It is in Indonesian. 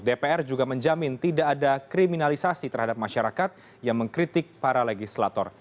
dpr juga menjamin tidak ada kriminalisasi terhadap masyarakat yang mengkritik para legislator